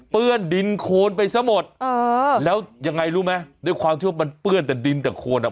ดินโคนไปซะหมดเออแล้วยังไงรู้ไหมด้วยความที่ว่ามันเปื้อนแต่ดินแต่โคนอ่ะ